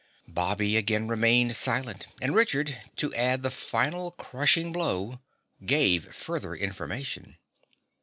Bobby again remained silent and Richard, to add the final, crushing blow, gave further information.